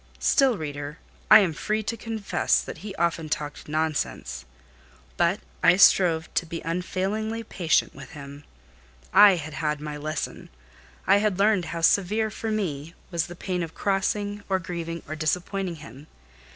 Still, reader, I am free to confess, that he often talked nonsense; but I strove to be unfailingly patient with him. I had had my lesson: I had learned how severe for me was the pain of crossing, or grieving, or disappointing him.